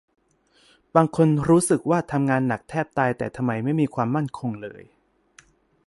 บางคนรู้สึกว่าทำงานหนักแทบตาย แต่ทำไมไม่มีความมั่นคงเลย